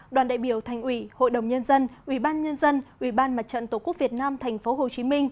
đoàn đại biểu thành ủy hội đồng nhân dân ubnd ubnd tổ quốc việt nam tp hcm